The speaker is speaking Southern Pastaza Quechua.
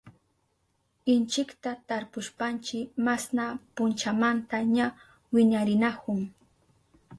Inchikta tarpushpanchi masna punchamanta ña wiñarinahun.